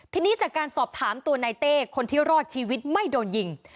ทีนี้จากการสอบถามตัวนายเต้คนที่รอดชีวิตไม่โดนยิง